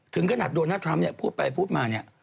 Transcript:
ถึงขนาดโดนัททรัมป์พูดไปพูดมาเนี่ย